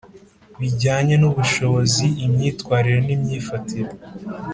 bijyanye n ubushobozi imyitwarire n imyifatire